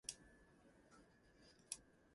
They are both boy and girl names.